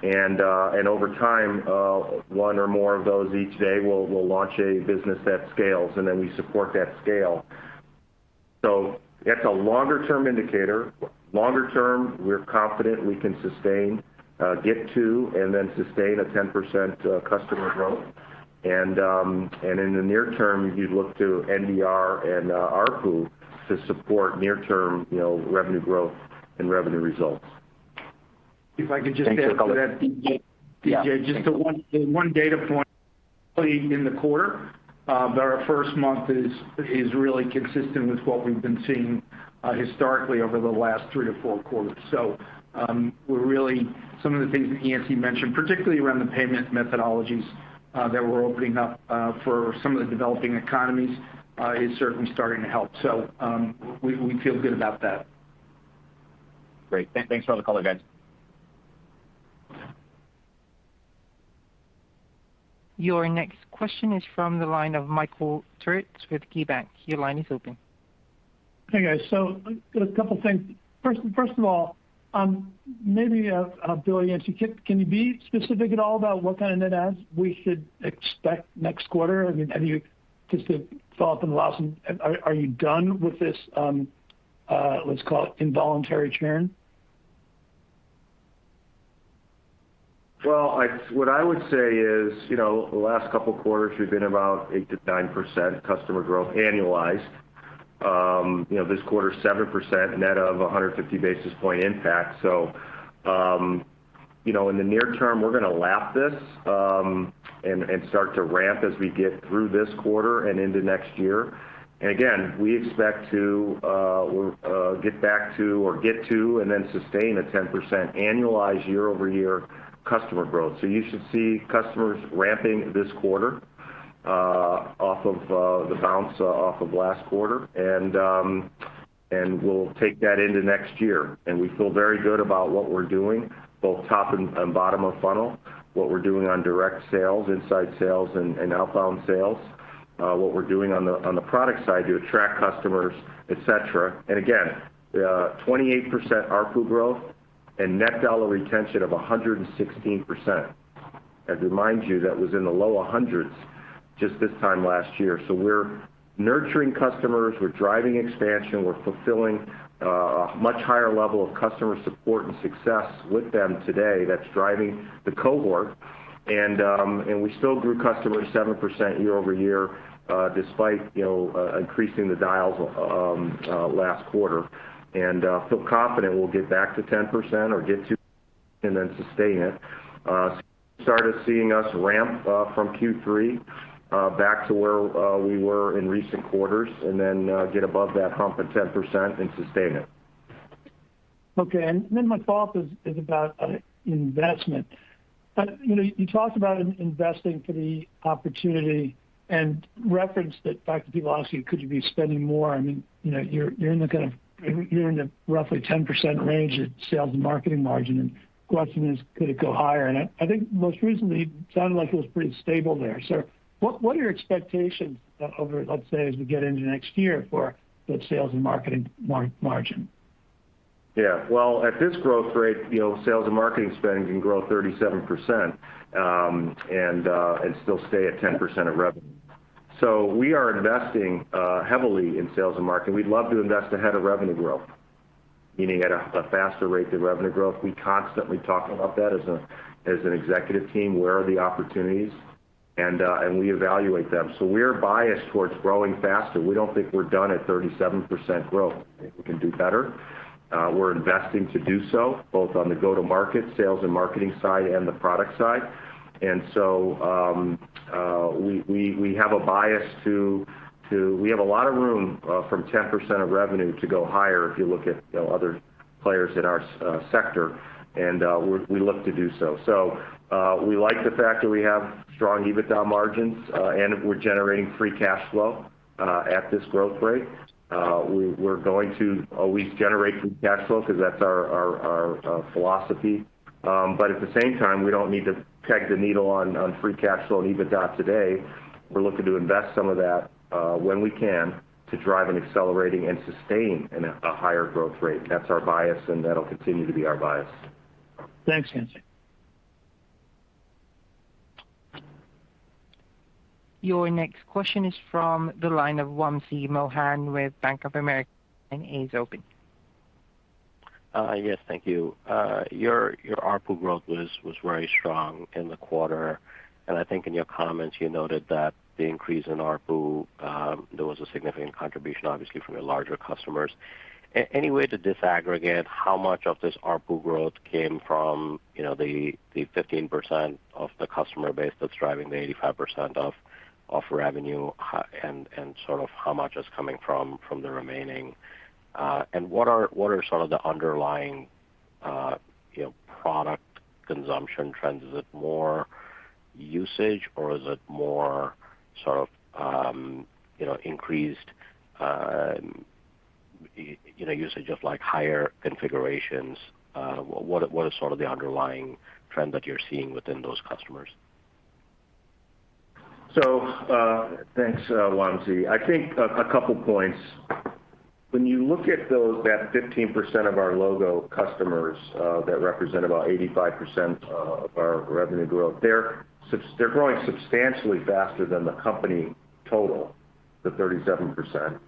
Over time, one or more of those each day will launch a business that scales, and then we support that scale. That's a longer term indicator. Longer term, we're confident we can sustain get to and then sustain a 10% customer growth. In the near term, you'd look to NDR and ARPU to support near term, you know, revenue growth and revenue results. If I could just add to that, DJ. Yeah. Just the one data point in the quarter. Our first month is really consistent with what we've been seeing historically over the last three to four quarters. Some of the things that Yancey mentioned, particularly around the payment methodologies that we're opening up for some of the developing economies, is certainly starting to help. We feel good about that. Great. Thanks for all the color, guys. Your next question is from the line of Michael Turits with KeyBanc. Your line is open. Hey, guys. Got a couple things. First of all, maybe Bill, Yancey, can you be specific at all about what kind of net adds we should expect next quarter? I mean, have you just been through the last one? Are you done with this, let's call it involuntary churn? Well, what I would say is, you know, the last couple quarters we've been about 8%-9% customer growth annualized. You know, this quarter, 7% net of a 150 basis point impact. In the near term, we're gonna lap this and start to ramp as we get through this quarter and into next year. Again, we expect to get back to or get to and then sustain a 10% annualized year-over-year customer growth. You should see customers ramping this quarter, off of the bounce off of last quarter. We'll take that into next year. We feel very good about what we're doing, both top and bottom of funnel, what we're doing on direct sales, inside sales and outbound sales, what we're doing on the product side to attract customers, etc. Again, 28% ARPU growth and net dollar retention of 116%. Remind you, that was in the low 100s just this time last year. We're nurturing customers, we're driving expansion, we're fulfilling a much higher level of customer support and success with them today that's driving the cohort. We still grew customers 7% year-over-year, despite you know increasing the dials last quarter. Feel confident we'll get back to 10% or get to and then sustain it. Started seeing us ramp from Q3 back to where we were in recent quarters, and then get above that hump at 10% and sustain it. Okay. My thought is about investment. You know, you talked about investing for the opportunity and referenced it back to people asking you, could you be spending more? I mean, you know, you're in the roughly 10% range of sales and marketing margin, and the question is, could it go higher? I think most recently, it sounded like it was pretty stable there. What are your expectations over, let's say, as we get into next year for the sales and marketing margin? Yeah. Well, at this growth rate, you know, sales and marketing spending can grow 37% and still stay at 10% of revenue. We are investing heavily in sales and marketing. We'd love to invest ahead of revenue growth, meaning at a faster rate than revenue growth. We constantly talk about that as an executive team, where are the opportunities? We evaluate them. We're biased towards growing faster. We don't think we're done at 37% growth. We think we can do better. We're investing to do so, both on the go-to-market sales and marketing side and the product side. We have a bias. We have a lot of room from 10% of revenue to go higher if you look at, you know, other players in our sector, and we look to do so. We like the fact that we have strong EBITDA margins and we're generating free cash flow at this growth rate. We're going to always generate free cash flow because that's our philosophy. At the same time, we don't need to peg the needle on free cash flow and EBITDA today. We're looking to invest some of that when we can to drive an accelerating and sustaining in a higher growth rate. That's our bias, and that'll continue to be our bias. Thanks, Yancey. Your next question is from the line of Wamsi Mohan with Bank of America, and he is open. Yes, thank you. Your ARPU growth was very strong in the quarter, and I think in your comments, you noted that the increase in ARPU, there was a significant contribution, obviously, from your larger customers. Any way to disaggregate how much of this ARPU growth came from, you know, the 15% of the customer base that's driving the 85% of revenue, and sort of how much is coming from the remaining? What are sort of the underlying, you know, product consumption trends? Is it more usage, or is it more sort of, you know, increased usage of, like, higher configurations? What are sort of the underlying trends that you're seeing within those customers? Thanks, Wamsi. I think a couple points. When you look at that 15% of our logo customers that represent about 85% of our revenue growth, they're growing substantially faster than the company total, the 37%.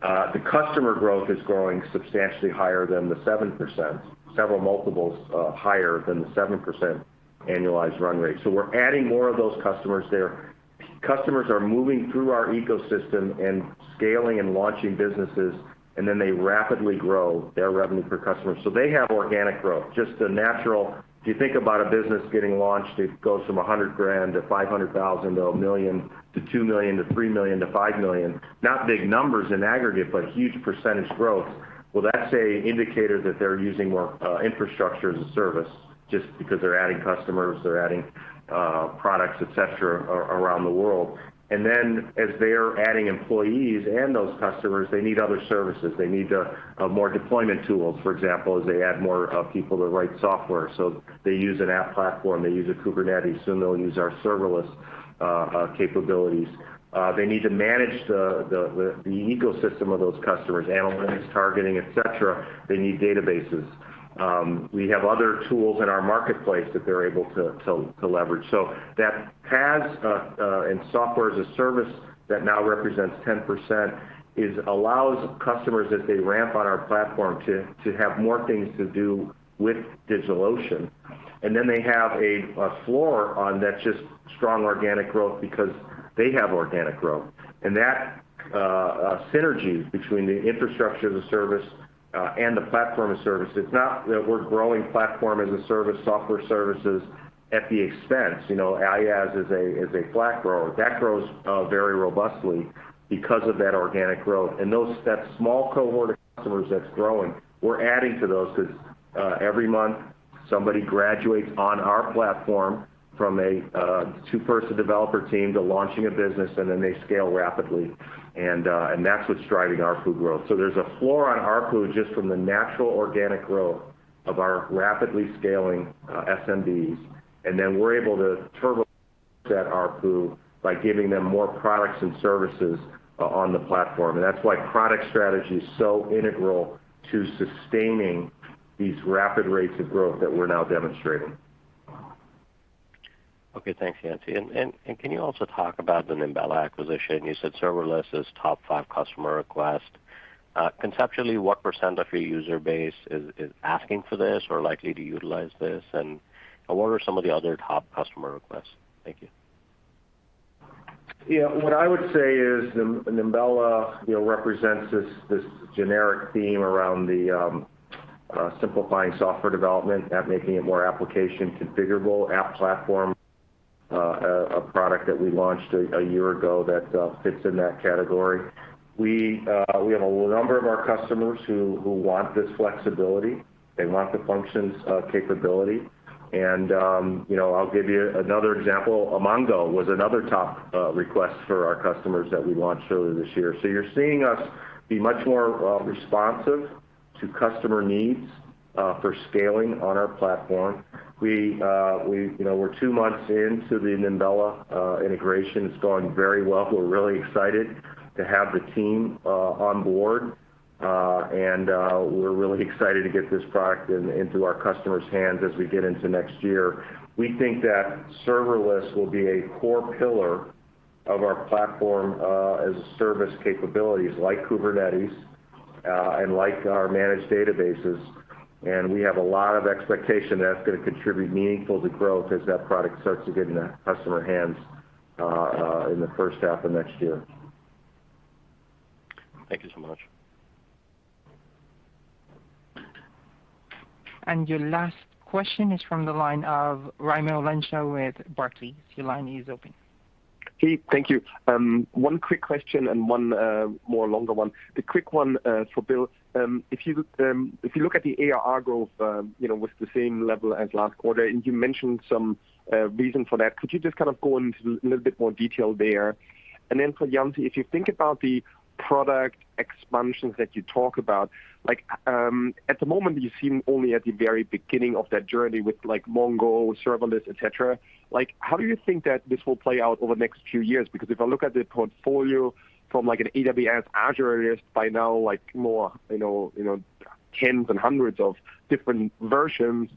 The customer growth is growing substantially higher than the 7%, several multiples higher than the 7% annualized run rate. We're adding more of those customers there. Customers are moving through our ecosystem and scaling and launching businesses, and then they rapidly grow their revenue per customer. They have organic growth, just a natural. If you think about a business getting launched, it goes from $100,000 to $500,000 to $1 million to $2 million to $3 million to $5 million. Not big numbers in aggregate, but huge percentage growth. Well, that's an indicator that they're using more infrastructure as a service just because they're adding customers, they're adding products, et cetera, around the world. As they are adding employees and those customers, they need other services. They need more deployment tools. For example, as they add more people to write software, so they use an App Platform, they use a Kubernetes, soon they'll use our serverless capabilities. They need to manage the ecosystem of those customers, analytics, targeting, et cetera. They need databases. We have other tools in our marketplace that they're able to leverage. That PaaS and software as a service that now represents 10% allows customers, as they ramp on our platform, to have more things to do with DigitalOcean. They have a floor on that that's just strong organic growth because they have organic growth. That synergy between the infrastructure as a service and the platform as a service, it's not that we're growing platform as a service, SaaS at the expense. You know, IaaS is a flat grower. That grows very robustly because of that organic growth. That small cohort of customers that's growing, we're adding to those because every month, somebody graduates on our platform from a two-person developer team to launching a business, and then they scale rapidly. That's what's driving ARPU growth. There's a floor on ARPU just from the natural organic growth of our rapidly scaling SMBs. Then we're able to turbocharge that ARPU by giving them more products and services on the platform. That's why product strategy is so integral to sustaining these rapid rates of growth that we're now demonstrating. Okay. Thanks, Yancey. Can you also talk about the Nimbella acquisition? You said serverless is top five customer request. Conceptually, what % of your user base is asking for this or likely to utilize this? And what are some of the other top customer requests? Thank you. Yeah, what I would say is Nimbella, you know, represents this generic theme around the simplifying software development and making it more application-configurable App Platform, a product that we launched a year ago that fits in that category. We have a number of our customers who want this flexibility. They want the functions capability. You know, I'll give you another example. MongoDB was another top request for our customers that we launched earlier this year. You're seeing us be much more responsive to customer needs for scaling on our platform. We, you know, we're two months into the Nimbella integration. It's going very well. We're really excited to have the team on board. We're really excited to get this product into our customers' hands as we get into next year. We think that serverless will be a core pillar of our platform, as a service capabilities like Kubernetes, and like our managed databases. We have a lot of expectation that's gonna contribute meaningful to growth as that product starts to get into customer hands in the first half of next year. Thank you so much. Your last question is from the line of Raimo Lenschow with Barclays. Your line is open. Hey, thank you. One quick question and one more longer one. The quick one for Bill. If you look at the ARR growth, you know, with the same level as last quarter, and you mentioned some reason for that, could you just kind of go into a little bit more detail there? Then for Yancey, if you think about the product expansions that you talk about, like, at the moment, you seem only at the very beginning of that journey with, like, Mongo, serverless, et cetera. Like, how do you think that this will play out over the next few years? Because if I look at the portfolio from, like, an AWS Azure list by now, like more, you know, tens and hundreds of different versions,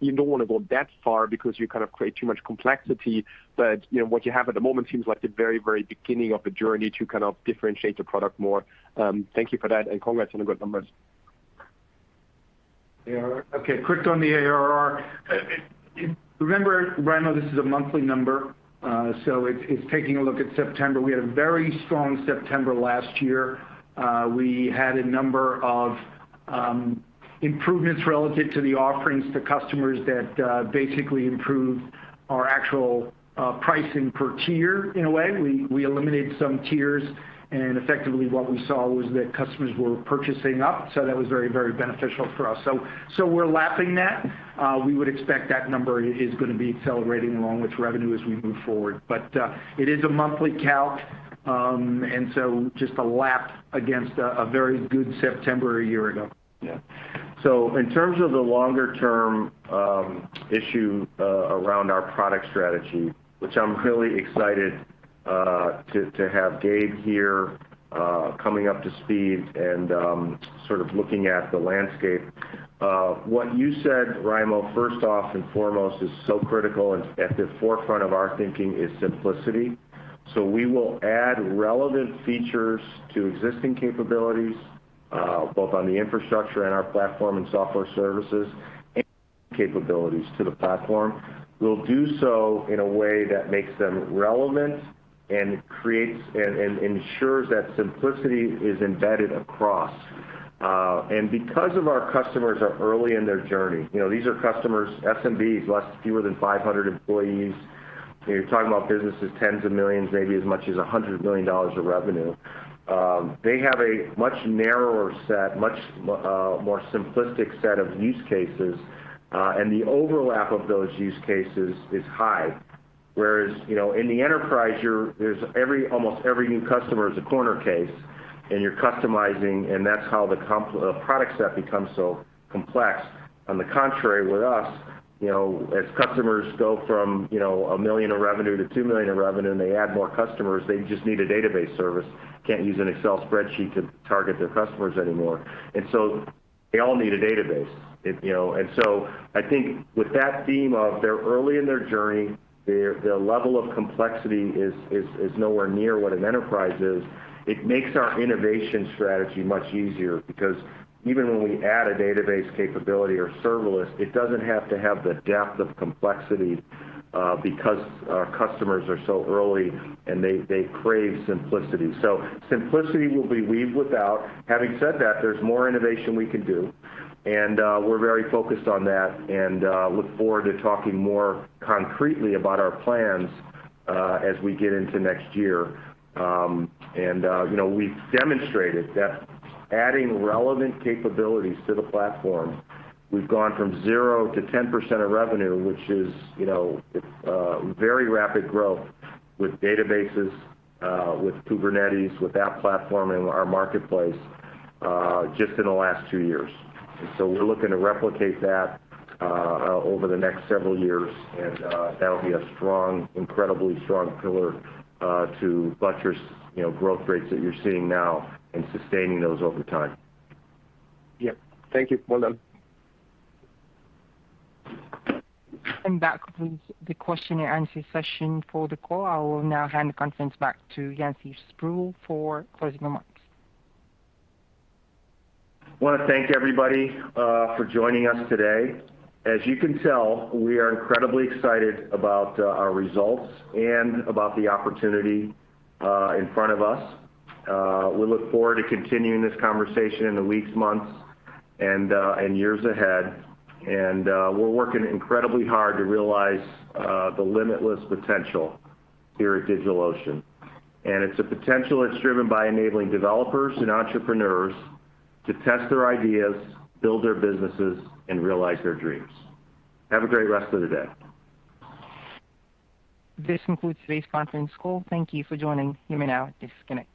you don't wanna go that far because you kind of create too much complexity. You know, what you have at the moment seems like the very, very beginning of a journey to kind of differentiate the product more. Thank you for that, and congrats on the good numbers. Yeah. Okay, quick on the ARR. Remember, Raimo, this is a monthly number, so it's taking a look at September. We had a very strong September last year. We had a number of improvements relative to the offerings to customers that basically improved our actual pricing per tier in a way. We eliminated some tiers, and effectively what we saw was that customers were purchasing up, so that was very, very beneficial for us. So we're lapping that. We would expect that number is gonna be accelerating along with revenue as we move forward. But it is a monthly calc, and so just a lap against a very good September a year ago. Yeah. In terms of the longer term issue around our product strategy, which I'm really excited to have Gabe here coming up to speed and sort of looking at the landscape. What you said, Raimo, first off and foremost is so critical and at the forefront of our thinking is simplicity. We will add relevant features to existing capabilities both on the infrastructure and our platform and software services and capabilities to the platform. We'll do so in a way that makes them relevant and creates and ensures that simplicity is embedded across. And because our customers are early in their journey, you know, these are customers, SMBs, fewer than 500 employees. You're talking about businesses tens of millions, maybe as much as $100 million of revenue. They have a much narrower set, much more simplistic set of use cases, and the overlap of those use cases is high. Whereas, you know, in the enterprise, there's almost every new customer is a corner case, and you're customizing, and that's how the product set becomes so complex. On the contrary, with us, you know, as customers go from $1 million in revenue to $2 million in revenue, and they add more customers, they just need a database service. Can't use an Excel spreadsheet to target their customers anymore. They all need a database. You know, I think with that theme that they're early in their journey, their level of complexity is nowhere near what an enterprise is. It makes our innovation strategy much easier because even when we add a database capability or serverless, it doesn't have to have the depth of complexity because our customers are so early, and they crave simplicity. Simplicity will be woven throughout. Having said that, there's more innovation we can do, and we're very focused on that and look forward to talking more concretely about our plans as we get into next year. You know, we've demonstrated that adding relevant capabilities to the platform, we've gone from 0%-10% of revenue, which is, you know, very rapid growth with databases, with Kubernetes, with that platform and our marketplace, just in the last 2 years. We're looking to replicate that over the next several years, and that'll be a strong, incredibly strong pillar to buttress, you know, growth rates that you're seeing now and sustaining those over time. Yep. Thank you. Well done. That concludes the question and answer session for the call. I will now hand the conference back to Yancey Spruill for closing remarks. Wanna thank everybody for joining us today. As you can tell, we are incredibly excited about our results and about the opportunity in front of us. We look forward to continuing this conversation in the weeks, months, and years ahead. We're working incredibly hard to realize the limitless potential here at DigitalOcean. It's a potential that's driven by enabling developers and entrepreneurs to test their ideas, build their businesses, and realize their dreams. Have a great rest of the day. This concludes today's conference call. Thank you for joining. You may now disconnect.